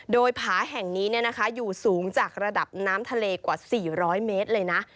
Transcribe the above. โดยผาแห่งนี้อยู่สูงจากระดับน้ำทะเลกว่า๔๐๐เมตรเลยนะ